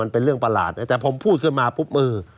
เป็นเรื่องประหลาดแต่ผมพูดขึ้นมาปุ๊บเออ